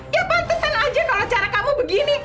ya pantaskan aja kalau cara kamu begini